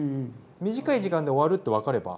短い時間で終わるって分かれば。